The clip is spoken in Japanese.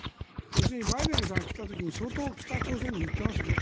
要するにバイデンさんが来た時に相当、北朝鮮に言ってますよね。